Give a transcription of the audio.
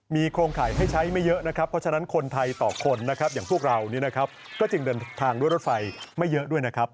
มีโครงข่ายให้ใช้ไม่เยอะนะครับเพราะฉะนั้นคนไทยต่อคนนะครับอย่างพวกเราเนี่ยนะครับก็จึงเดินทางด้วยรถไฟไม่เยอะด้วยนะครับ